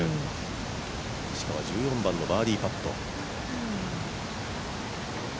石川は１４番のバーディーパット。